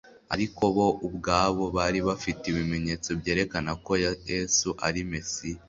Ariko bo ubwabo bari bafite ibimenyetso byerekana ko Yesu ari Mesiya.